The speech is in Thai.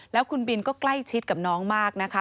แล้วคุณบินก็ใกล้ชิดกับน้องมากนะคะ